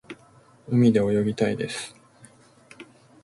海で泳ぎたいです。